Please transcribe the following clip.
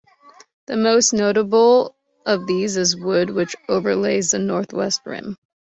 The most notable of these is Wood, which overlays the northwest rim.